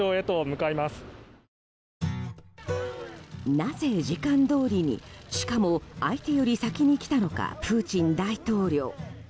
なぜ時間どおりにしかも相手より先に来たのかプーチン大統領。